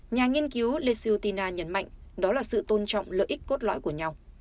nhà nghiên cứu lesiotina nhấn mạnh đó là sự tôn trọng lợi ích cốt lõi của nhau